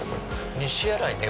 西新井ね